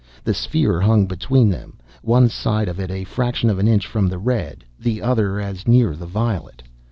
The sphere hung between them, one side of it a fraction of an inch from the red, the other as near the violet.